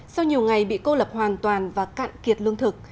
sau nhiều ngày bị cô lập hoàn toàn và cạn kiệt lương thực